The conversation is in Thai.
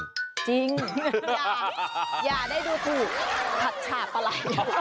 จริงอย่าได้ดูถูกผัดฉาบปลาไหล่